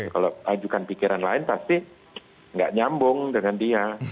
kalau ajukan pikiran lain pasti nggak nyambung dengan dia